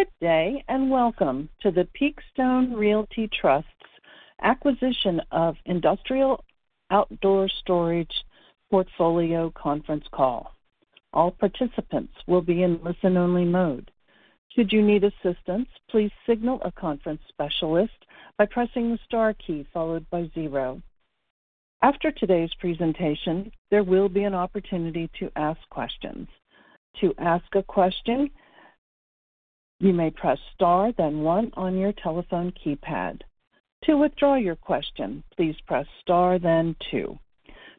Good day and welcome to the Peakstone Realty Trust's acquisition of industrial outdoor storage portfolio conference call. All participants will be in listen-only mode. Should you need assistance, please signal a conference specialist by pressing the star key followed by zero. After today's presentation, there will be an opportunity to ask questions. To ask a question, you may press star, then one on your telephone keypad. To withdraw your question, please press star, then two.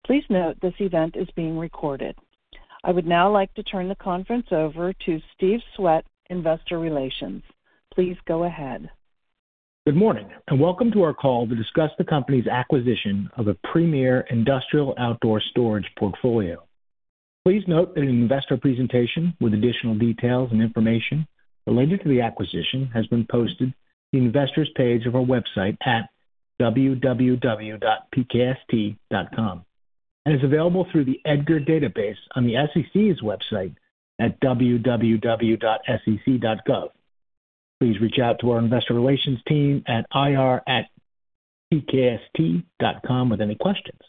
Please note this event is being recorded. I would now like to turn the conference over to Steve Swett, Investor Relations. Please go ahead. Good morning and welcome to our call to discuss the company's acquisition of a premier industrial outdoor storage portfolio. Please note that an investor presentation with additional details and information related to the acquisition has been posted to the investors' page of our website at www.pkst.com and is available through the Edgar database on the SEC's website at www.sec.gov. Please reach out to our investor relations team at ir@pkst.com with any questions.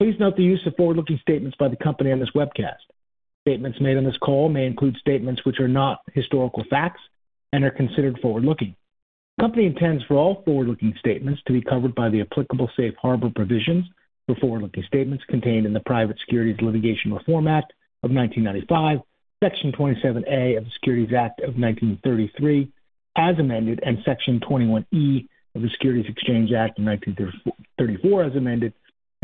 Please note the use of forward-looking statements by the company on this webcast. Statements made on this call may include statements which are not historical facts and are considered forward-looking. The company intends for all forward-looking statements to be covered by the applicable safe harbor provisions for forward-looking statements contained in the Private Securities Litigation Reform Act of 1995, Section 27A of the Securities Act of 1933 as amended, and Section 21E of the Securities Exchange Act of 1934 as amended,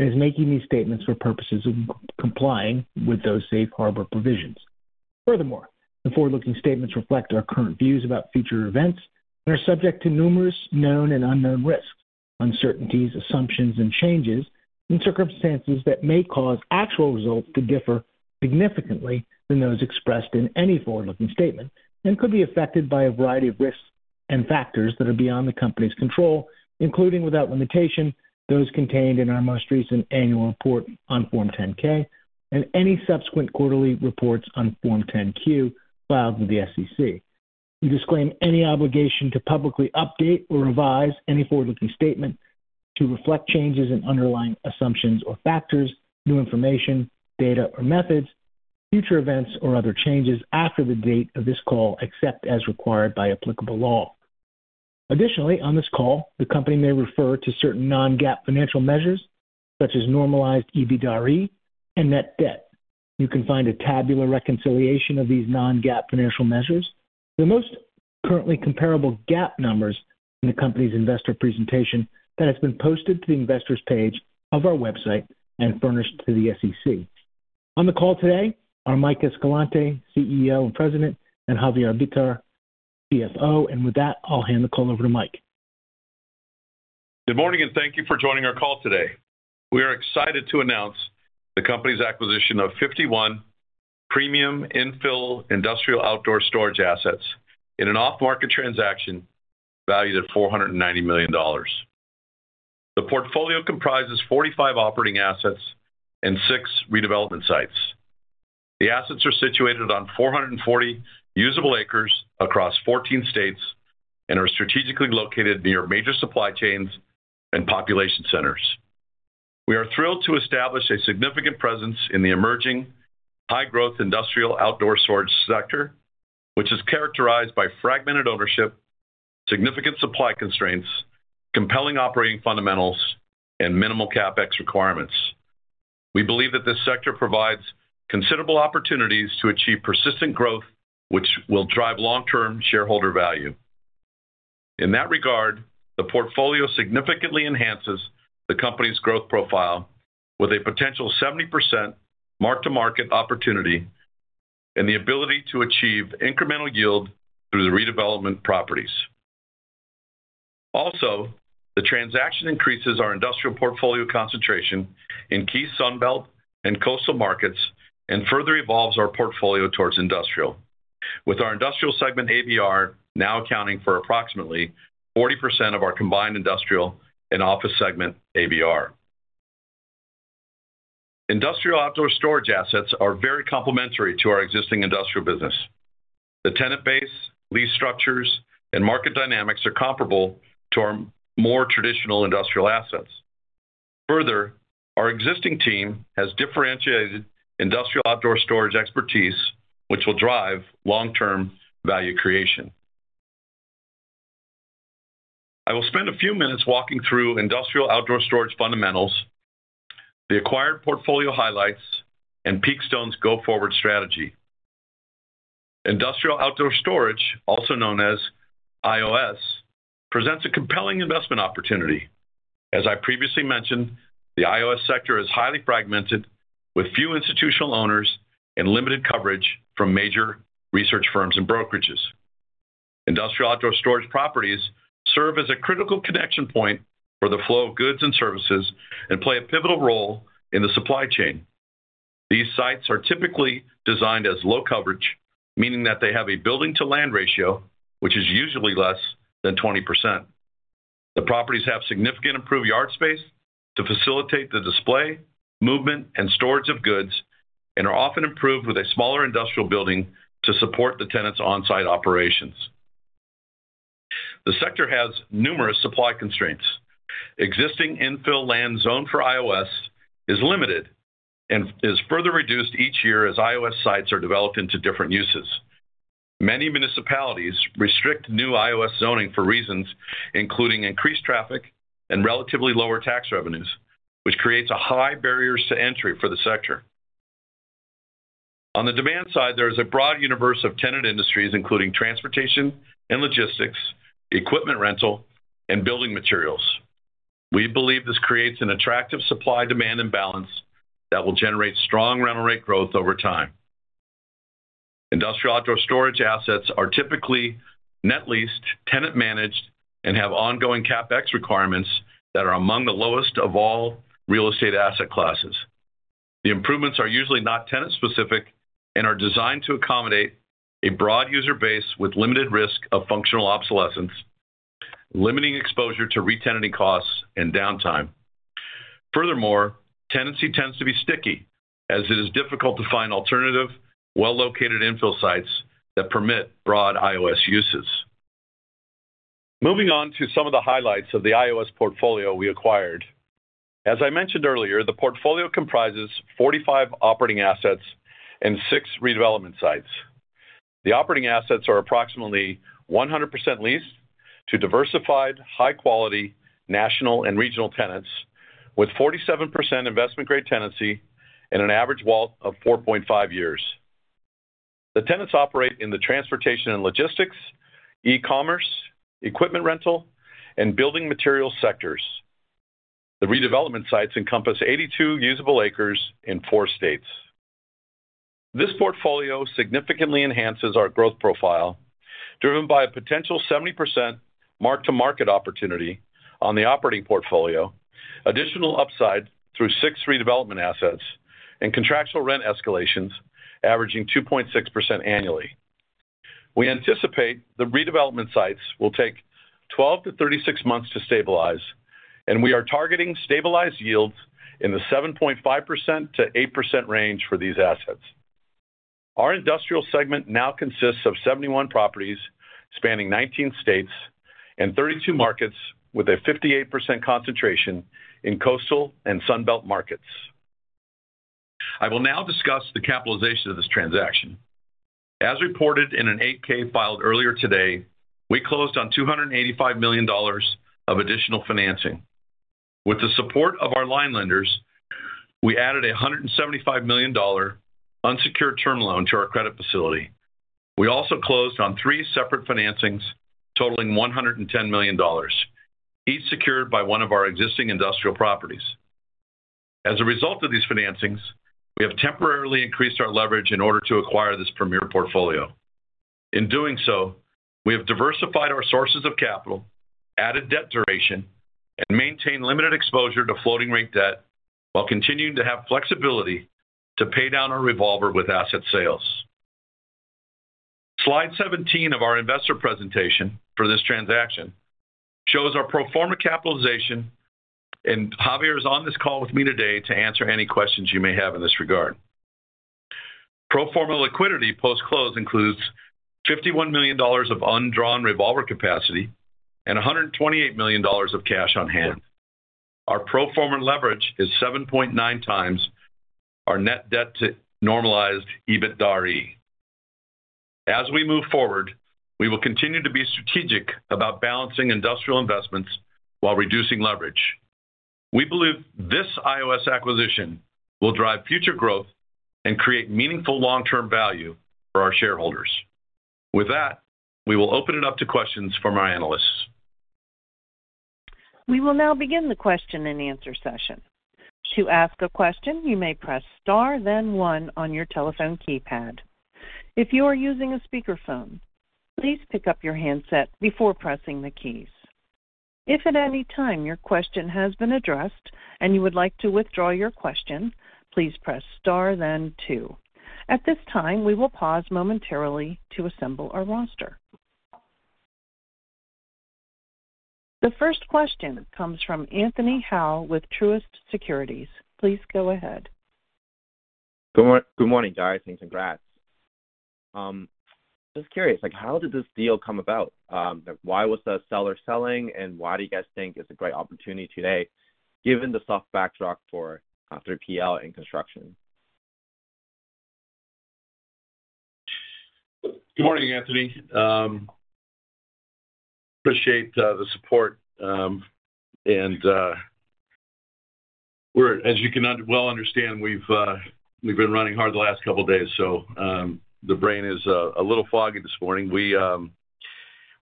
and is making these statements for purposes of complying with those safe harbor provisions. Furthermore, the forward-looking statements reflect our current views about future events and are subject to numerous known and unknown risks, uncertainties, assumptions, and changes in circumstances that may cause actual results to differ significantly than those expressed in any forward-looking statement and could be affected by a variety of risks and factors that are beyond the company's control, including without limitation those contained in our most recent annual report on Form 10-K and any subsequent quarterly reports on Form 10-Q filed with the SEC. We disclaim any obligation to publicly update or revise any forward-looking statement to reflect changes in underlying assumptions or factors, new information, data or methods, future events, or other changes after the date of this call, except as required by applicable law. Additionally, on this call, the company may refer to certain non-GAAP financial measures such as normalized EBITD are and net debt. You can find a tabular reconciliation of these non-GAAP financial measures with the most currently comparable GAAP numbers in the company's investor presentation that has been posted to the investors' page of our website and furnished to the SEC. On the call today are Mike Escalante, CEO and President, and Javier Bitar, CFO, and with that, I'll hand the call over to Mike. Good morning and thank you for joining our call today. We are excited to announce the company's acquisition of 51 premium infill industrial outdoor storage assets in an off-market transaction valued at $490 million. The portfolio comprises 45 operating assets and six redevelopment sites. The assets are situated on 440 usable acres across 14 states and are strategically located near major supply chains and population centers. We are thrilled to establish a significant presence in the emerging high-growth industrial outdoor storage sector, which is characterized by fragmented ownership, significant supply constraints, compelling operating fundamentals, and minimal CapEx requirements. We believe that this sector provides considerable opportunities to achieve persistent growth, which will drive long-term shareholder value. In that regard, the portfolio significantly enhances the company's growth profile with a potential 70% mark-to-market opportunity and the ability to achieve incremental yield through the redevelopment properties. Also, the transaction increases our industrial portfolio concentration in key Sunbelt and coastal markets and further evolves our portfolio towards industrial, with our industrial segment ABR now accounting for approximately 40% of our combined industrial and office segment ABR. Industrial outdoor storage assets are very complementary to our existing industrial business. The tenant base, lease structures, and market dynamics are comparable to our more traditional industrial assets. Further, our existing team has differentiated industrial outdoor storage expertise, which will drive long-term value creation. I will spend a few minutes walking through industrial outdoor storage fundamentals, the acquired portfolio highlights, and Peakstone's go-forward strategy. Industrial outdoor storage, also known as IOS, presents a compelling investment opportunity. As I previously mentioned, the IOS sector is highly fragmented with few institutional owners and limited coverage from major research firms and brokerages. Industrial outdoor storage properties serve as a critical connection point for the flow of goods and services and play a pivotal role in the supply chain. These sites are typically designed as low coverage, meaning that they have a building-to-land ratio, which is usually less than 20%. The properties have significantly improved yard space to facilitate the display, movement, and storage of goods and are often improved with a smaller industrial building to support the tenants' on-site operations. The sector has numerous supply constraints. Existing infill land zoned for IOS is limited and is further reduced each year as IOS sites are developed into different uses. Many municipalities restrict new IOS zoning for reasons including increased traffic and relatively lower tax revenues, which creates a high barrier to entry for the sector. On the demand side, there is a broad universe of tenant industries, including transportation and logistics, equipment rental, and building materials. We believe this creates an attractive supply-demand imbalance that will generate strong rental rate growth over time. Industrial outdoor storage assets are typically net leased, tenant-managed, and have ongoing CapEx requirements that are among the lowest of all real estate asset classes. The improvements are usually not tenant-specific and are designed to accommodate a broad user base with limited risk of functional obsolescence, limiting exposure to retention costs and downtime. Furthermore, tenancy tends to be sticky as it is difficult to find alternative, well-located infill sites that permit broad IOS uses. Moving on to some of the highlights of the IOS portfolio we acquired. As I mentioned earlier, the portfolio comprises 45 operating assets and six redevelopment sites. The operating assets are approximately 100% leased to diversified, high-quality national and regional tenants, with 47% investment-grade tenancy and an average WALT of 4.5 years. The tenants operate in the transportation and logistics, e-commerce, equipment rental, and building materials sectors. The redevelopment sites encompass 82 usable acres in four states. This portfolio significantly enhances our growth profile, driven by a potential 70% mark-to-market opportunity on the operating portfolio, additional upside through six redevelopment assets, and contractual rent escalations averaging 2.6% annually. We anticipate the redevelopment sites will take 12 to 36 months to stabilize, and we are targeting stabilized yields in the 7.5% to 8% range for these assets. Our industrial segment now consists of 71 properties spanning 19 states and 32 markets, with a 58% concentration in coastal and Sunbelt markets. I will now discuss the capitalization of this transaction. As reported in an 8-K filed earlier today, we closed on $285 million of additional financing. With the support of our line lenders, we added a $175 million unsecured term loan to our credit facility. We also closed on three separate financings totaling $110 million, each secured by one of our existing industrial properties. As a result of these financings, we have temporarily increased our leverage in order to acquire this premier portfolio. In doing so, we have diversified our sources of capital, added debt duration, and maintained limited exposure to floating-rate debt while continuing to have flexibility to pay down our revolver with asset sales. Slide 17 of our investor presentation for this transaction shows our pro forma capitalization, and Javier is on this call with me today to answer any questions you may have in this regard. Pro forma liquidity post-close includes $51 million of undrawn revolver capacity and $128 million of cash on hand. Our pro forma leverage is 7.9 times our net debt to normalized EBITDA rate. As we move forward, we will continue to be strategic about balancing industrial investments while reducing leverage. We believe this IOS acquisition will drive future growth and create meaningful long-term value for our shareholders. With that, we will open it up to questions from our analysts. We will now begin the question and answer session. To ask a question, you may press star, then one on your telephone keypad. If you are using a speakerphone, please pick up your handset before pressing the keys. If at any time your question has been addressed and you would like to withdraw your question, please press star, then two. At this time, we will pause momentarily to assemble our roster. The first question comes from Anthony Howe with Truist Securities. Please go ahead. Good morning, guys, and congrats. Just curious, how did this deal come about? Why was the seller selling, and why do you guys think it's a great opportunity today given the soft backdrop for T&L and construction? Good morning, Anthony. Appreciate the support and as you can well understand, we've been running hard the last couple of days, so the brain is a little foggy this morning. We are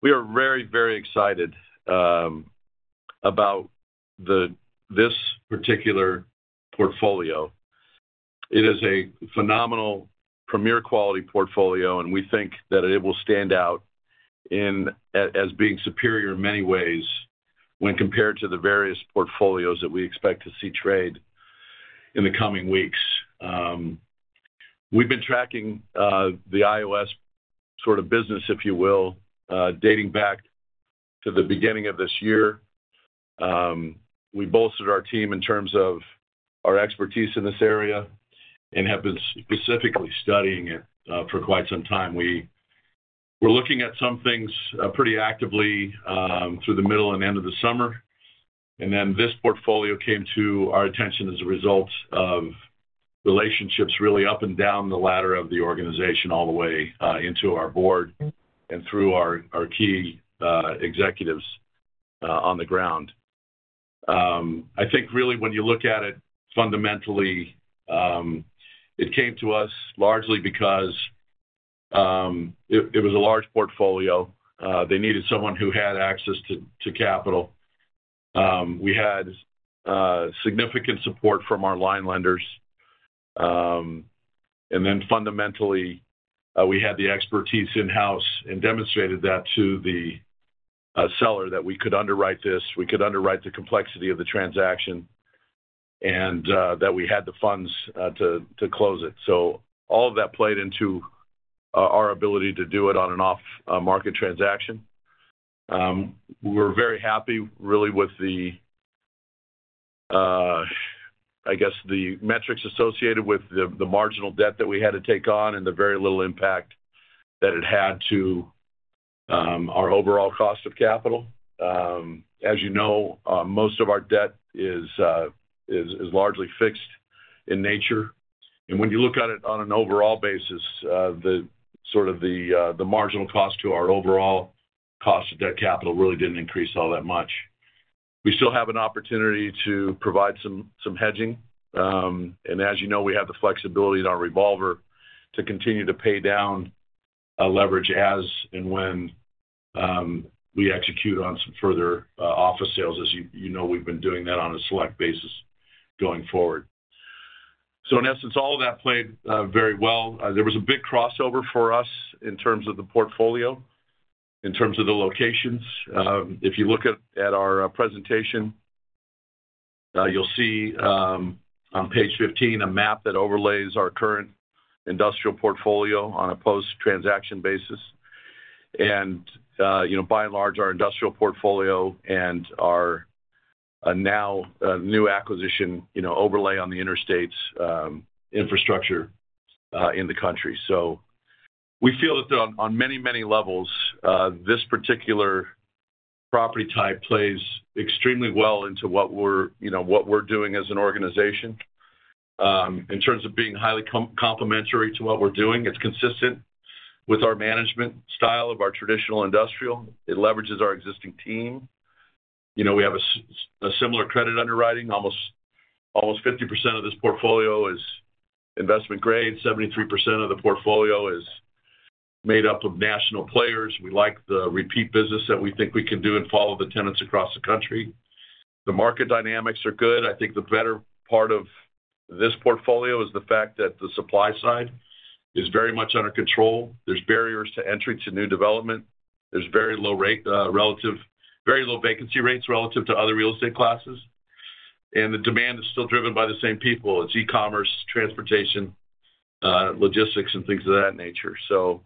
very, very excited about this particular portfolio. It is a phenomenal premier quality portfolio, and we think that it will stand out as being superior in many ways when compared to the various portfolios that we expect to see trade in the coming weeks. We've been tracking the IOS sort of business, if you will, dating back to the beginning of this year. We bolstered our team in terms of our expertise in this area and have been specifically studying it for quite some time. We were looking at some things pretty actively through the middle and end of the summer, and then this portfolio came to our attention as a result of relationships really up and down the ladder of the organization all the way into our board and through our key executives on the ground. I think really when you look at it fundamentally, it came to us largely because it was a large portfolio. They needed someone who had access to capital. We had significant support from our line lenders, and then fundamentally, we had the expertise in-house and demonstrated that to the seller that we could underwrite this, we could underwrite the complexity of the transaction, and that we had the funds to close it, so all of that played into our ability to do it on an off-market transaction. We were very happy really with the, I guess, metrics associated with the marginal debt that we had to take on and the very little impact that it had to our overall cost of capital. As you know, most of our debt is largely fixed in nature. And when you look at it on an overall basis, sort of the marginal cost to our overall cost of debt capital really didn't increase all that much. We still have an opportunity to provide some hedging. And as you know, we have the flexibility in our revolver to continue to pay down leverage as and when we execute on some further office sales, as you know, we've been doing that on a select basis going forward. So in essence, all of that played very well. There was a big crossover for us in terms of the portfolio, in terms of the locations. If you look at our presentation, you'll see on page 15 a map that overlays our current industrial portfolio on a post-transaction basis, and by and large, our industrial portfolio and our now new acquisition overlay on the interstates infrastructure in the country, so we feel that on many, many levels, this particular property type plays extremely well into what we're doing as an organization. In terms of being highly complementary to what we're doing, it's consistent with our management style of our traditional industrial. It leverages our existing team. We have a similar credit underwriting. Almost 50% of this portfolio is investment grade. 73% of the portfolio is made up of national players. We like the repeat business that we think we can do and follow the tenants across the country. The market dynamics are good. I think the better part of this portfolio is the fact that the supply side is very much under control. There's barriers to entry to new development. There's very low vacancy rates relative to other real estate classes. And the demand is still driven by the same people. It's e-commerce, transportation, logistics, and things of that nature. So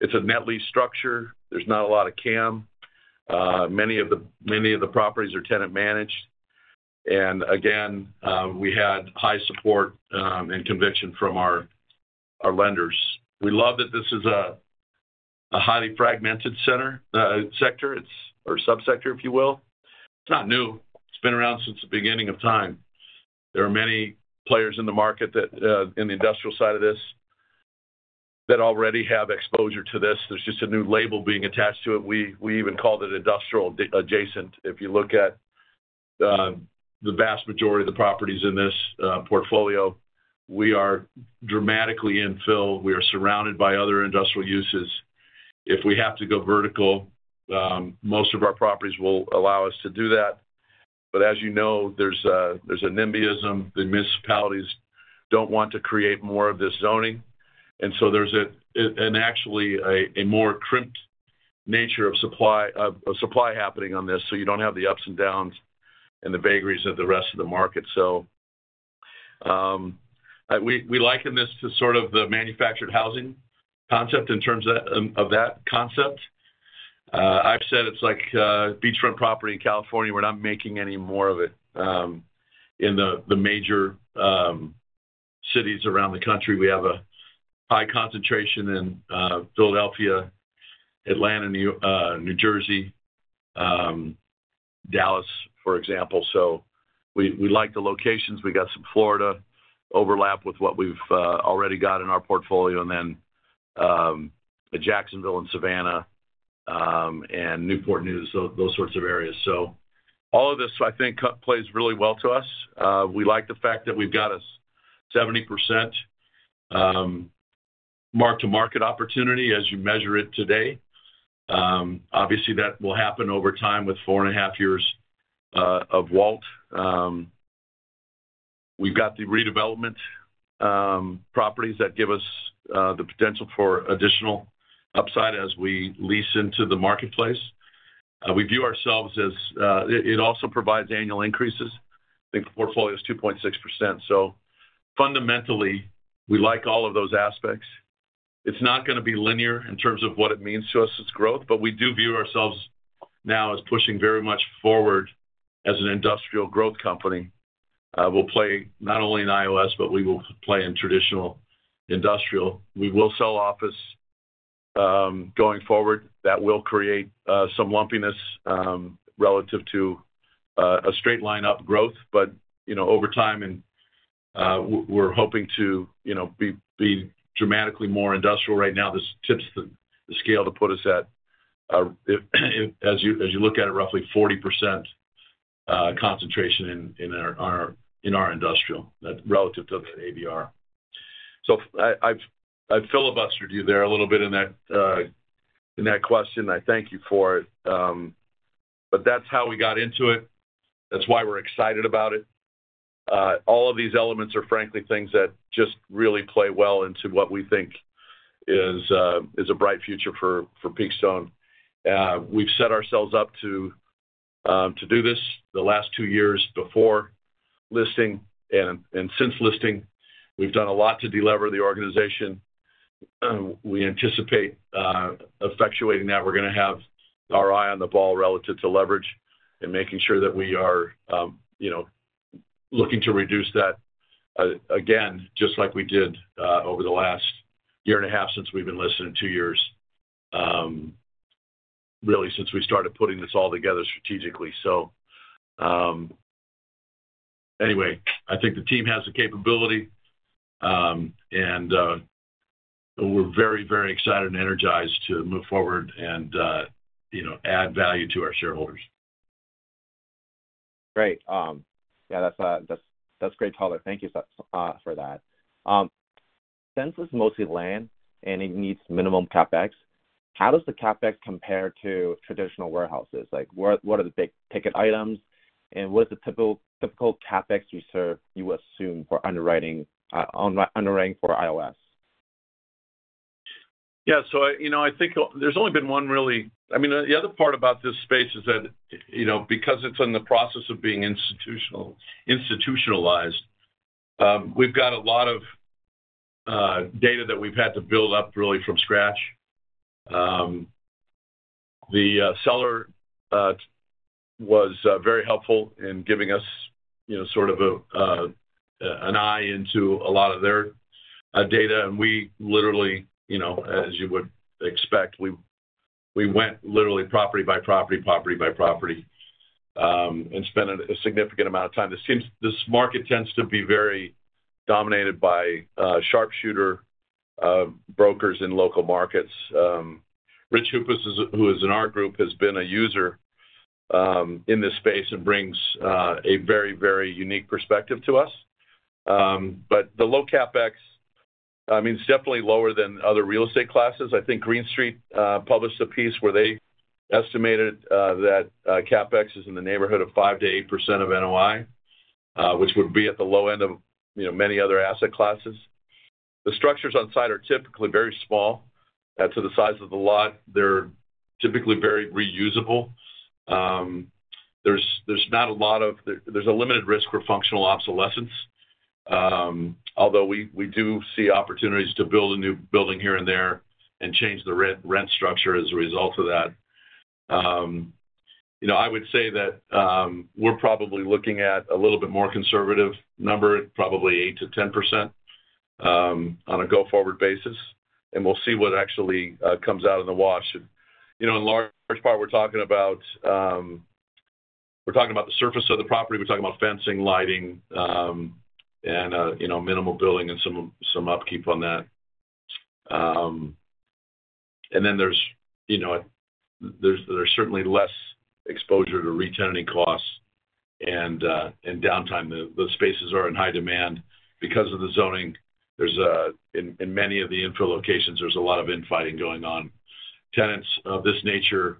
it's a net lease structure. There's not a lot of CAM. Many of the properties are tenant-managed. And again, we had high support and conviction from our lenders. We love that this is a highly fragmented sector or subsector, if you will. It's not new. It's been around since the beginning of time. There are many players in the market in the industrial side of this that already have exposure to this. There's just a new label being attached to it. We even called it industrial adjacent. If you look at the vast majority of the properties in this portfolio, we are dramatically infill. We are surrounded by other industrial uses. If we have to go vertical, most of our properties will allow us to do that. But as you know, there's a NIMBYism. The municipalities don't want to create more of this zoning. And so there's actually a more crimped nature of supply happening on this. So you don't have the ups and downs and the vagaries of the rest of the market. So we liken this to sort of the manufactured housing concept in terms of that concept. I've said it's like beachfront property in California. We're not making any more of it in the major cities around the country. We have a high concentration in Philadelphia, Atlanta, New Jersey, Dallas, for example. So we like the locations. We got some Florida overlap with what we've already got in our portfolio, and then Jacksonville and Savannah and Newport News, those sorts of areas. So all of this, I think, plays really well to us. We like the fact that we've got a 70% mark-to-market opportunity as you measure it today. Obviously, that will happen over time with four and a half years of WALT. We've got the redevelopment properties that give us the potential for additional upside as we lease into the marketplace. We view ourselves as it also provides annual increases. I think the portfolio is 2.6%. So fundamentally, we like all of those aspects. It's not going to be linear in terms of what it means to us as growth, but we do view ourselves now as pushing very much forward as an industrial growth company. We'll play not only in IOS, but we will play in traditional industrial. We will sell office going forward. That will create some lumpiness relative to a straight-line growth. But over time, and we're hoping to be dramatically more industrial right now. This tips the scale to put us at, as you look at it, roughly 40% concentration in our industrial relative to the ABR. So I filibustered you there a little bit in that question. I thank you for it. But that's how we got into it. That's why we're excited about it. All of these elements are, frankly, things that just really play well into what we think is a bright future for Peakstone. We've set ourselves up to do this the last two years before listing and since listing. We've done a lot to deliver the organization. We anticipate effectuating that. We're going to have our eye on the ball relative to leverage and making sure that we are looking to reduce that again, just like we did over the last year and a half since we've been listed in two years, really since we started putting this all together strategically. So anyway, I think the team has the capability, and we're very, very excited and energized to move forward and add value to our shareholders. Great. Yeah, that's great, color. Thank you for that. Since it's mostly land and it needs minimum CapEx, how does the CapEx compare to traditional warehouses? What are the big ticket items, and what is the typical CapEx you assume for underwriting for IOS? Yeah, so I think there's only been one really. I mean, the other part about this space is that because it's in the process of being institutionalized, we've got a lot of data that we've had to build up really from scratch. The seller was very helpful in giving us sort of an eye into a lot of their data, and we literally, as you would expect, went literally property by property, property by property, and spent a significant amount of time. This market tends to be very dominated by sharpshooter brokers in local markets. Richard Hooper, who is in our group, has been a user in this space and brings a very, very unique perspective to us, but the low CapEx, I mean, it's definitely lower than other real estate classes. I think Green Street published a piece where they estimated that CapEx is in the neighborhood of 5%-8% of NOI, which would be at the low end of many other asset classes. The structures on site are typically very small. That's the size of the lot. They're typically very reusable. There's a limited risk for functional obsolescence, although we do see opportunities to build a new building here and there and change the rent structure as a result of that. I would say that we're probably looking at a little bit more conservative number, probably 8%-10% on a go-forward basis, and we'll see what actually comes out of the wash. In large part, we're talking about the surface of the property. We're talking about fencing, lighting, and minimal building and some upkeep on that. Then there's certainly less exposure to re-tenanting costs and downtime. The spaces are in high demand. Because of the zoning, in many of the infill locations, there's a lot of infighting going on. Tenants of this nature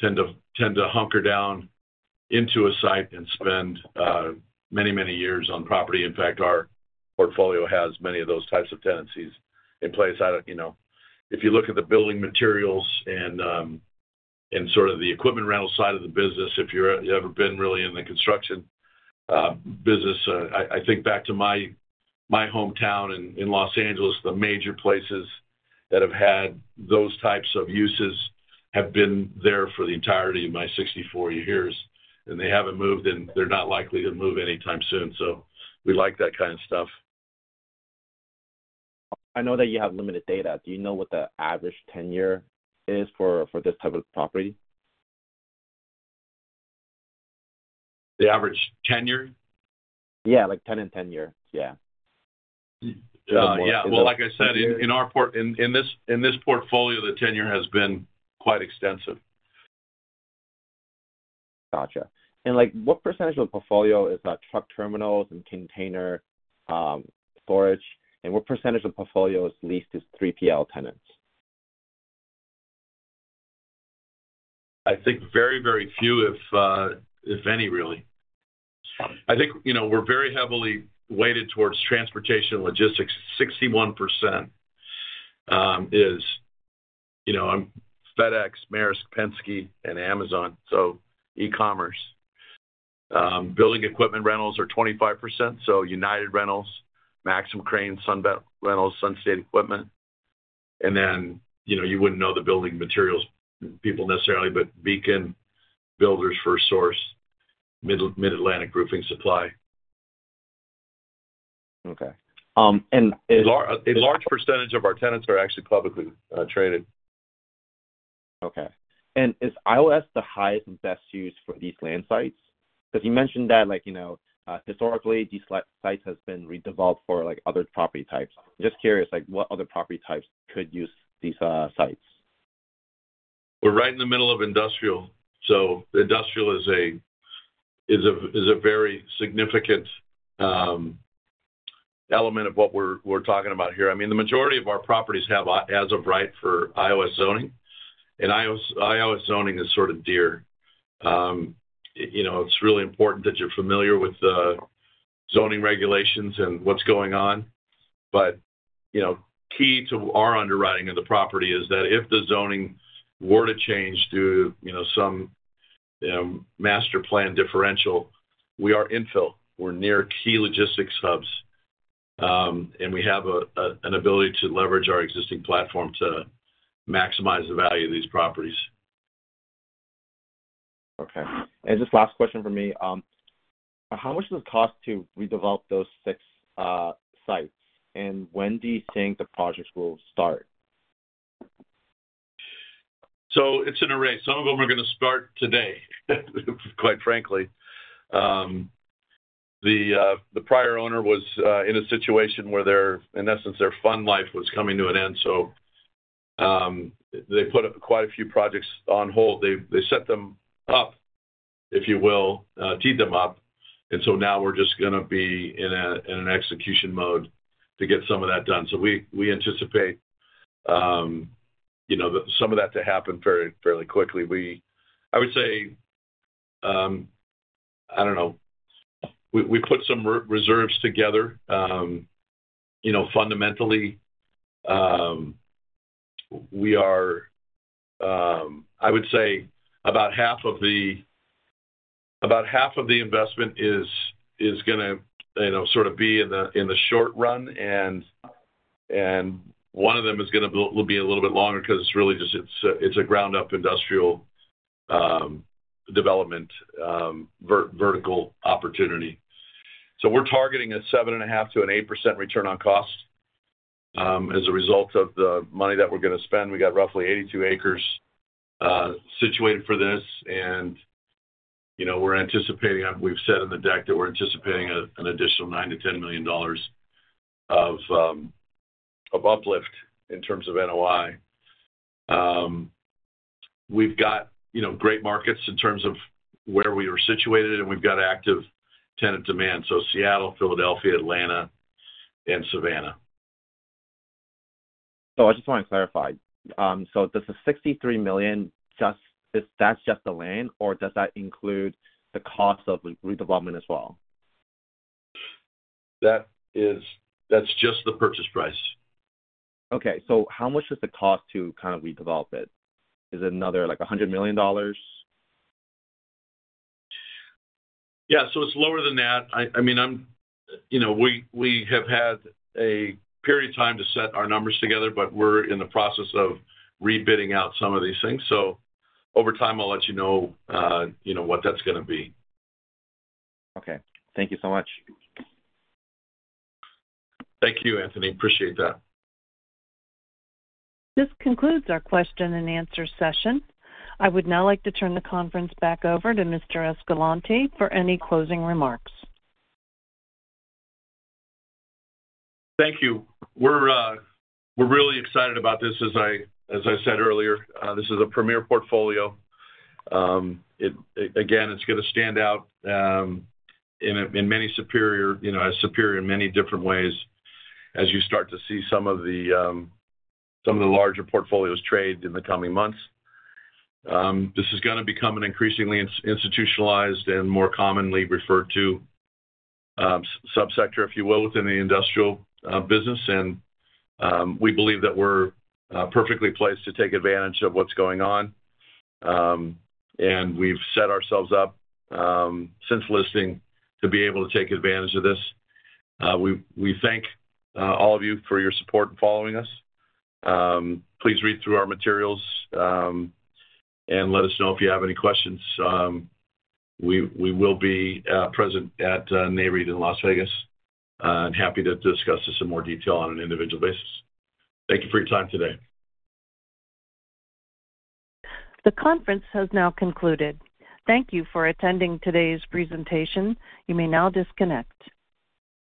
tend to hunker down into a site and spend many, many years on property. In fact, our portfolio has many of those types of tenancies in place. If you look at the building materials and sort of the equipment rental side of the business, if you've ever been really in the construction business, I think back to my hometown in Los Angeles, the major places that have had those types of uses have been there for the entirety of my 64 years. They haven't moved, and they're not likely to move anytime soon. We like that kind of stuff. I know that you have limited data. Do you know what the average tenure is for this type of property? The average tenure? Yeah, like 10 and 10 years. Yeah. Yeah. Well, like I said, in this portfolio, the tenure has been quite extensive. Gotcha. And what percentage of the portfolio is truck terminals and container storage? And what percentage of the portfolio is leased to 3PL tenants? I think very, very few, if any, really. I think we're very heavily weighted towards transportation logistics. 61% is FedEx, Maersk, Penske, and Amazon. So e-commerce. Building equipment rentals are 25%. So United Rentals, Maxim Crane, Sunbelt Rentals, Sunstate Equipment. And then you wouldn't know the building materials people necessarily, but Beacon, Builders FirstSource, Mid-Atlantic Roofing Supply. Okay. And. A large percentage of our tenants are actually publicly traded. Okay. And is IOS the highest and best used for these land sites? Because you mentioned that historically, these sites have been redeveloped for other property types. Just curious, what other property types could use these sites? We're right in the middle of industrial, so industrial is a very significant element of what we're talking about here. I mean, the majority of our properties have, as of right, for IOS zoning, and IOS zoning is sort of dear. It's really important that you're familiar with the zoning regulations and what's going on, but key to our underwriting of the property is that if the zoning were to change due to some master plan differential, we are infill. We're near key logistics hubs, and we have an ability to leverage our existing platform to maximize the value of these properties. Okay. And just last question for me. How much does it cost to redevelop those six sites? And when do you think the projects will start? So it's an array. Some of them are going to start today, quite frankly. The prior owner was in a situation where, in essence, their fund life was coming to an end. So they put quite a few projects on hold. They set them up, if you will, teed them up. And so now we're just going to be in an execution mode to get some of that done. So we anticipate some of that to happen fairly quickly. I would say, I don't know, we put some reserves together. Fundamentally, we are, I would say, about half of the investment is going to sort of be in the short run. And one of them will be a little bit longer because it's really just a ground-up industrial development vertical opportunity. We're targeting a 7.5%-8% return on cost as a result of the money that we're going to spend. We got roughly 82 acres situated for this. And we're anticipating. We've said in the deck that we're anticipating an additional $9-$10 million of uplift in terms of NOI. We've got great markets in terms of where we are situated, and we've got active tenant demand. So Seattle, Philadelphia, Atlanta, and Savannah. I just want to clarify. Does the $63 million, that's just the land, or does that include the cost of redevelopment as well? That's just the purchase price. Okay. So how much does it cost to kind of redevelop it? Is it another like $100 million? Yeah. So it's lower than that. I mean, we have had a period of time to set our numbers together, but we're in the process of rebidding out some of these things. So over time, I'll let you know what that's going to be. Okay. Thank you so much. Thank you, Anthony. Appreciate that. This concludes our question and answer session. I would now like to turn the conference back over to Mr. Escalante for any closing remarks. Thank you. We're really excited about this, as I said earlier. This is a premier portfolio. Again, it's going to stand out in many, superior in many different ways as you start to see some of the larger portfolios trade in the coming months. This is going to become an increasingly institutionalized and more commonly referred to subsector, if you will, within the industrial business, and we believe that we're perfectly placed to take advantage of what's going on, and we've set ourselves up since listing to be able to take advantage of this. We thank all of you for your support in following us. Please read through our materials and let us know if you have any questions. We will be present at Nareit in Las Vegas and happy to discuss this in more detail on an individual basis. Thank you for your time today. The conference has now concluded. Thank you for attending today's presentation. You may now disconnect.